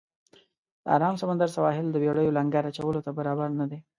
د آرام سمندر سواحل د بېړیو لنګر اچولو ته برابر نه دی.